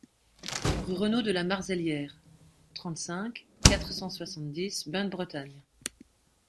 Rue Renault de la Marzelière, trente-cinq, quatre cent soixante-dix Bain-de-Bretagne